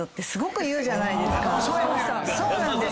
そうなんです。